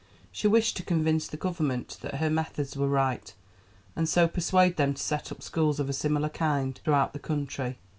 She wished to convince the Government that her methods were right, and so persuade them to set up schools of a similar kind throughout the country.